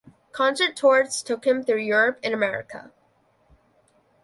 Concert tours took him through Europe and America.